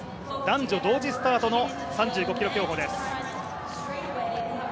男女同時スタートの３５ｋｍ競歩です。